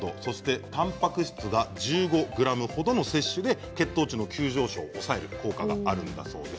たんぱく質が１５ｇ程の摂取で血糖値の急上昇を抑える効果があるんだそうです。